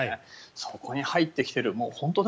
そこに入ってきている。